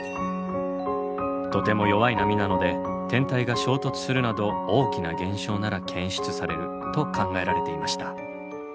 とても弱い波なので天体が衝突するなど大きな現象なら検出されると考えられていました。